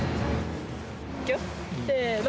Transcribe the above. いくよせーの。